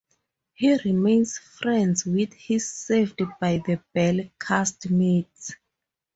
He remains friends with his "Saved by the Bell" cast mates.